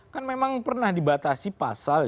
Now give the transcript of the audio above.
kan memang pernah dibatasi pasal